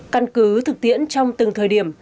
căn cứ thực tiễn trong từng thời điểm